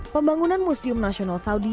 pembangunan museum nasional saudi